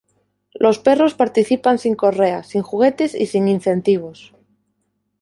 Los perros participan sin correa sin juguetes y sin incentivos.